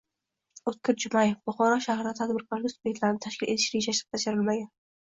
O‘tkir Jumayev: "Buxoro shahrida tadbirkorlik sub’ektlarini tashkil etish rejasi bajarilmagan"